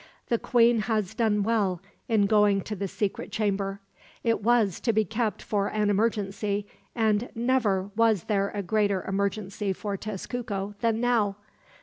The queen has done well, in going to the secret chamber. It was to be kept for an emergency, and never was there a greater emergency for Tezcuco than now.